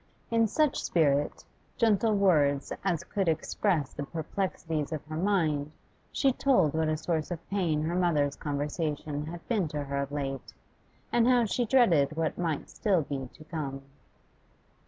In such spirit gentle words as could express the perplexities of her mind she told what a source of pain her mother's conversation had been to her of late, and how she dreaded what might still be to come.